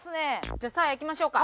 じゃあサーヤいきましょうか。